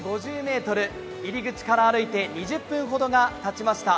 入り口から歩いて２０分ほどがたちました。